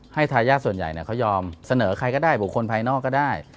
ทายาทส่วนใหญ่เขายอมเสนอใครก็ได้บุคคลภายนอกก็ได้